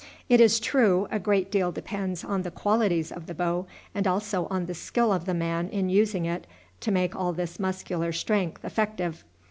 It is true, a great deal depends on the qualities of the bow, and also on the skill of the man in using it, to make all this muscular strength effective.